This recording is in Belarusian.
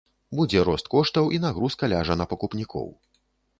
Будзе рост коштаў і нагрузка ляжа на пакупнікоў.